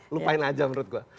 lupain aja menurut gue